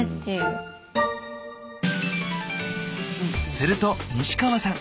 すると西川さん